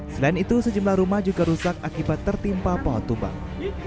selain itu sejumlah rumah juga rusak akibat tertimpa pohon tumbang